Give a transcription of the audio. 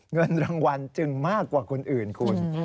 เงินรางวัลจึงมากกว่าคนอื่นคุณ